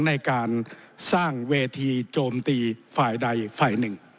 ในการสร้างเวทีโจมตีฝ่ายใดฝ่ายหนึ่ง